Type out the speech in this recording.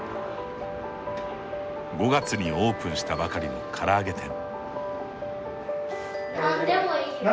５月にオープンしたばかりのから揚げ店。